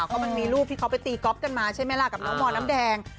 เพราะมันมีรูปที่เขาไปตีก๊อฟกันมาใช่ไหมล่ะกับน้องมน้ำแดง